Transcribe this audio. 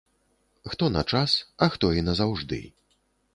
Хто на час, а хто і назаўжды.